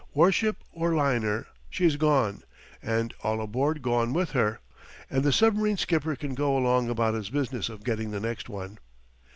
War ship or liner, she's gone and all aboard gone with her; and the submarine skipper can go along about his business of getting the next one.